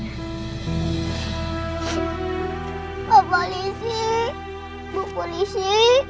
bapak polisi bu polisi